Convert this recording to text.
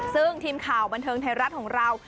ซึ่งทีมข่าวบันเทิงไทยรัฐของเรา